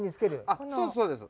あっそうですそうです。